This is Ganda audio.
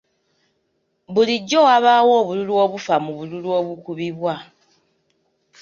Bulijjo wabaawo obululu obufa mu bululu obukubibwa.